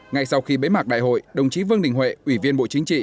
ngay sau khi bế mạc đại hội đồng chí vương đình huệ ủy viên bộ chính trị